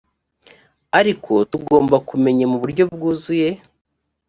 ariko tugomba kumenya mu buryo byuzuye